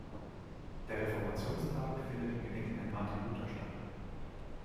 Der Reformationstag findet in Gedenken an Martin Luther statt.